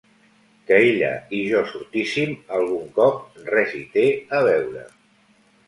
Que ella i jo sortíssim algun cop res hi té a veure.